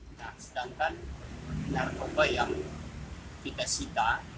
nah sedangkan narkoba yang kita sita